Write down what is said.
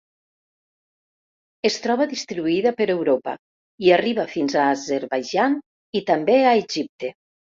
Es troba distribuïda per Europa i arriba fins a Azerbaidjan i també a Egipte.